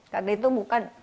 karena itu bukan